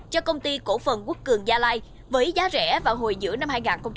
cho công ty cổ phần quốc cường gia lai với giá rẻ vào hồi giữa năm hai nghìn một mươi chín